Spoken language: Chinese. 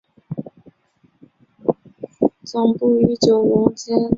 其总部设于九龙尖沙咀香港童军中心。